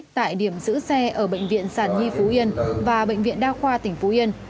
tại điểm giữ xe ở bệnh viện sản nhi phú yên và bệnh viện đa khoa tỉnh phú yên